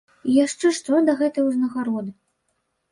І яшчэ што да гэтай узнагароды.